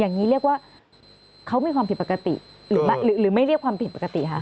อย่างนี้เรียกว่าเขามีความผิดปกติหรือไม่เรียกความผิดปกติคะ